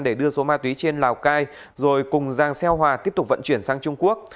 để đưa số ma túy trên lào cai rồi cùng giang xeo hòa tiếp tục vận chuyển sang trung quốc